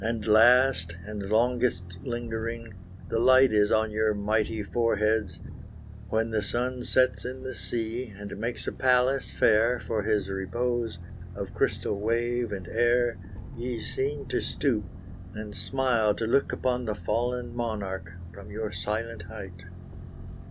And last, and longest lingering, the light Is on your mighty foreheads, when, the sun Sets in the sea, and makes a palace fair For his repose, of crystal wave and air, Ye seem to stoop, and smile to look upon The fallen monarch from your silent height.